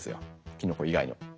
キノコ以外にも。